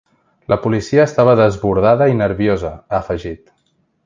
La policia estava desbordada i nerviosa, ha afegit.